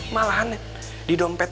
malahan di dompet